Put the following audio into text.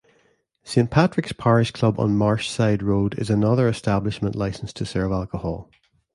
Saint Patrick's Parish Club on Marshside Road is another establishment licensed to serve alcohol.